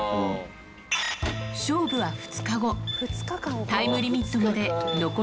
勝負は２日後。